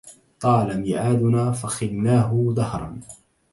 طال ميعادنا فخلناه دهرا